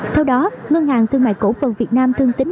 theo đó ngân hàng thương mại cổ phần việt nam thương tính